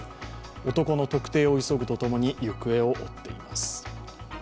男の特定を急ぐとともに行方を追っています。